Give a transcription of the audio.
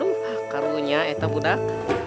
hai akarnya itu mudah